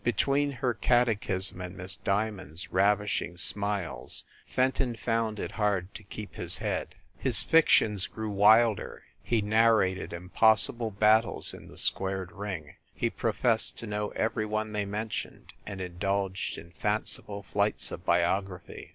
Between her catechism and Miss Diamond s ravishing smiles Fenton found it hard to keep his head. His fictions 1 64 FIND THE WOMAN grew wilder; he narrated impossible battles in the squared ring. He professed to know every one they mentioned, and indulged in fanciful flights of biography.